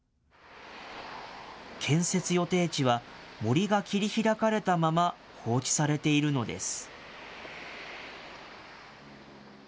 建設予定地は森が切り開かれたまま放置されているのです。